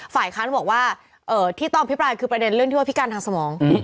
ฝ่ายค้านบอกว่าที่ต้องอภิปรายคือประเด็นเรื่องที่ว่าพิการทางสมอง